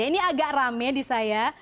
ini agak rame di saya